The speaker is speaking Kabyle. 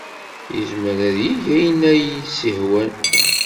Yezmer ad yeg ayen ay as-yehwan.